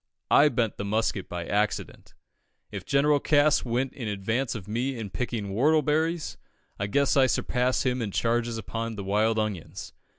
I bent the musket by accident. If General Cass went in advance of me in picking whortleberries, I guess I surpassed him in charges upon the wild onions.